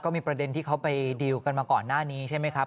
มีประเด็นที่เขาไปดีลกันมาก่อนหน้านี้ใช่ไหมครับ